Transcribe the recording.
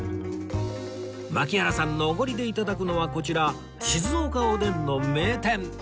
槙原さんのおごりで頂くのはこちら静岡おでんの名店